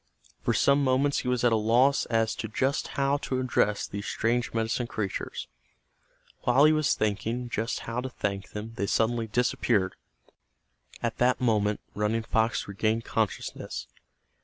For some moments he was at a loss as to just how to address these strange medicine creatures. While he was thinking just how to thank them they suddenly disappeared. At that moment Running Fox regained consciousness.